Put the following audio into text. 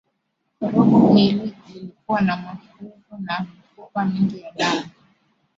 korongo hili lilikuwa na mafuvu na mifupa mingi ya binadamu